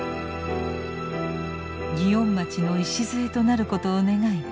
祇園町の礎となることを願い